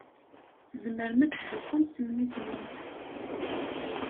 Tzemrem ad tzuxxem s mmi-twen.